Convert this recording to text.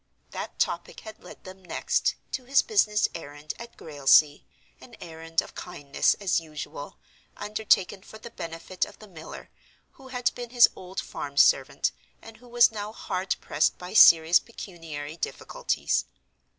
That topic had led them, next, to his business errand at Grailsea—an errand of kindness, as usual; undertaken for the benefit of the miller, who had been his old farm servant, and who was now hard pressed by serious pecuniary difficulties.